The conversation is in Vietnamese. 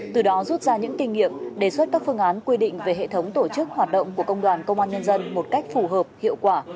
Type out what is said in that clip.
từ đó rút ra những kinh nghiệm đề xuất các phương án quy định về hệ thống tổ chức hoạt động của công đoàn công an nhân dân một cách phù hợp hiệu quả